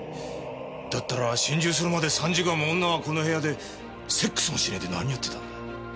だったら心中するまで３時間も女はこの部屋でセックスもしねえで何やってたんだ？